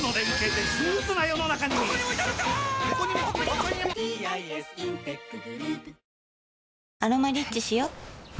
コリャ「アロマリッチ」しよ